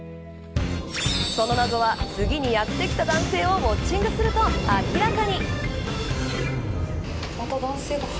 その謎は次にやってきた男性をウオッチングすると明らかに。